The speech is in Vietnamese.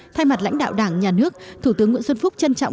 thay mặt lãnh đạo đảng nhà nước thủ tướng nguyễn xuân phúc trân trọng